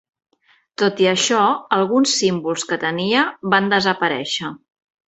Tot i això alguns símbols que tenia van desaparèixer.